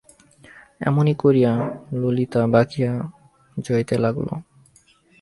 এমনি করিয়া ললিতা বকিয়া যাইতে লাগিল।